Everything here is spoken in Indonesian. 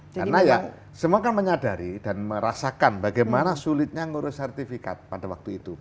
karena ya semua kan menyadari dan merasakan bagaimana sulitnya mengurus sertifikat pada waktu itu